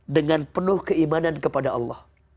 dengan penuh keimanan kepada allah